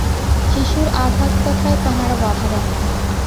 শিশুর আধ-আধ কথায় তাঁহারা বাধা দেন না।